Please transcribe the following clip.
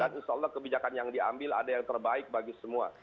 dan insya allah kebijakan yang diambil ada yang terbaik bagi semua